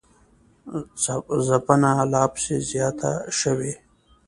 ځپنه لاپسې زیاته شوې